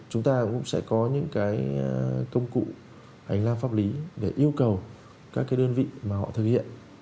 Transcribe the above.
chúng ta cũng sẽ có những cái công cụ hành lang pháp lý để yêu cầu các cái đơn vị mà họ thực hiện